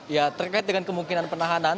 ya terkait dengan kemungkinan penahanan